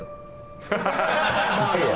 いやいや。